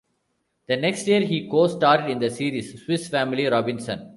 The next year, he co-starred in the series "Swiss Family Robinson".